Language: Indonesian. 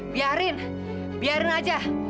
biarin biarin aja